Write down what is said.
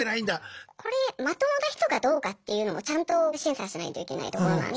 これまともな人かどうかっていうのもちゃんと審査しないといけないところなんで。